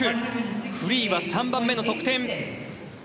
フリーは３番目の得点。